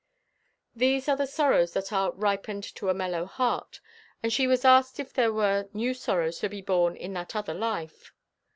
These are the sorrows that are "ripened to a mellow heart," and she was asked if there were new sorrows to be borne in that other life.